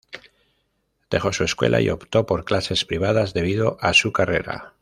Dejó su escuela y optó por clases privadas debido a su carrera.